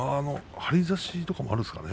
張り差しとかもあるんですかね